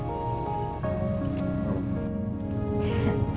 udah kok mak